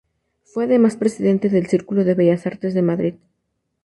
Fue además presidente del Círculo de Bellas Artes de Madrid.